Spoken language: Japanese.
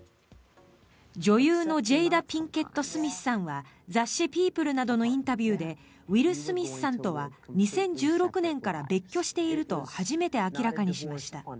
女優のジェイダ・ピンケット・スミスさんは雑誌「ピープル」などのインタビューでウィル・スミスさんとは２０１６年から別居していると初めて明らかにしました。